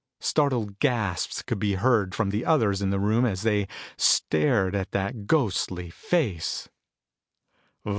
Startled gasps could be heard from the others in the room as they stared at that ghostly face.